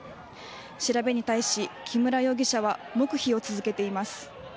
調べに対し、木村容疑者は黙秘を続けています。